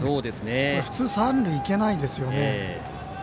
普通、三塁に行けないですよね。